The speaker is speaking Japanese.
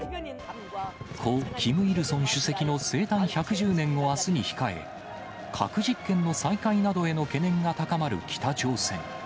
故・キム・イルソン主席の生誕１１０年をあすに控え、核実験の再開などへの懸念が高まる北朝鮮。